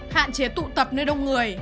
hạn chế tụ tập nơi đông người